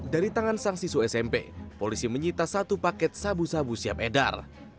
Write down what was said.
dari tangan sang siswa smp polisi menyita satu paket sabu sabu siap edar